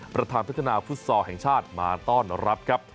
ประธานพัฒนาฟุตซอลแห่งชาติมาต้อนรับครับ